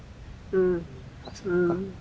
うんそう。